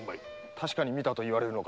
確かに見たと言われるのか？